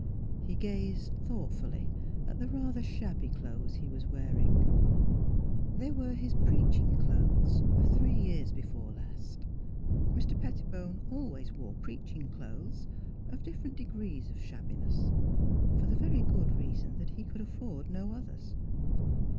He gazed thoughtfully at the rather shabby clothes he was wearing. They Miss Philura's Wedding Gown were his " preaching clothes " of three years before last. Mr. Pettibone always wore " preaching clothes " of different de grees of shabbiness, for the very good reason that he could afford no others.